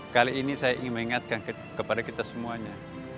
kali ini saya ingin mengingatkan kepada kita semuanya